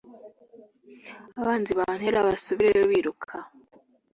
abanzi bantera basubireyo biruka,